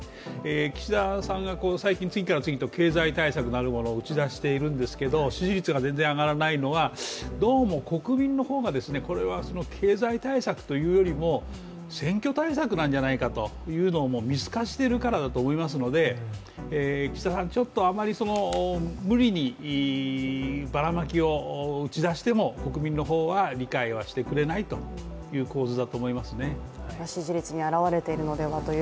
岸田さんが最近次から次へと経済対策なるものを打ち出しているんですけれども支持率が上がらないのは、どうも、国民の方が経済対策というよりも選挙対策なんじゃないかというのを見透かしているからだと思いますので岸田さんあまり無理にバラマキを打ち出しても国民の方は理解はしてくれないという構図だと思いますね。